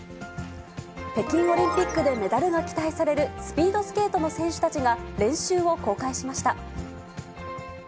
北京オリンピックでメダルが期待されるスピードスケートの選手たちが、練習を公開しました。